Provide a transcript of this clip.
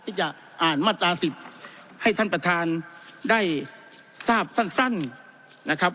ที่จะอ่านมาตรา๑๐ให้ท่านประธานได้ทราบสั้นนะครับ